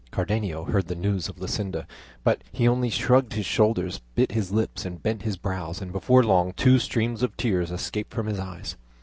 Cardenio heard the name of Luscinda, but he only shrugged his shoulders, bit his lips, bent his brows, and before long two streams of tears escaped from his eyes.